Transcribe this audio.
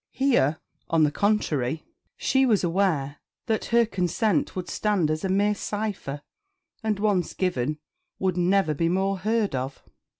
Here, on the contrary, she was aware that her consent would stand as a mere cipher, and, once given, would never be more heard of.